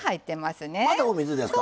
またお水ですか。